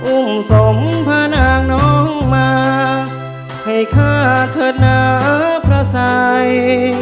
อุ้งสมพานางนองมาให้ข้าเทศนาพระไทย